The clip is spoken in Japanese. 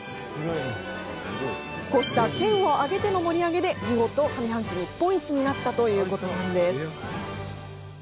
こうした県を挙げての盛り上げで見事、上半期日本一になったというわけなんです。